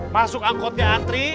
masuk angkotnya antri